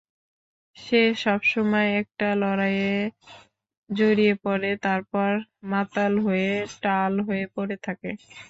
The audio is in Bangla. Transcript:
সে সবসময় একটা লড়াইয়ে জড়িয়ে পড়ে, তারপর মাতাল হয়ে টাল হয়ে পড়ে থাকে।